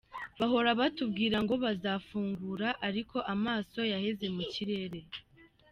Bahora batubwira ngo bazafungura ariko amaso yaheze mu kirere.